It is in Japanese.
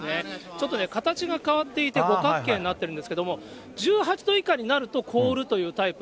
ちょっとね、形が変わっていて、五角形になっているんですけれども、１８度以下になると凍るというタイプ。